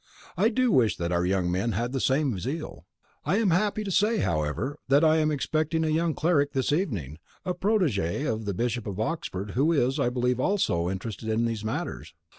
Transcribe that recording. I do wish that our young men had the same zeal. I am happy to say, however, that I am expecting a young cleric this evening, a protege of the Bishop of Oxford, who is, I believe, also interested in these matters."